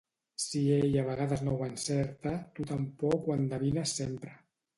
Si ell a vegades no ho encerta, tu tampoc no ho endevines sempre.